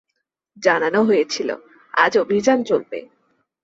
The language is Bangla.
জানানো হয়েছিল, আজ অভিযান চলবে।